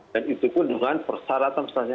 dan itu pun dengan persyaratan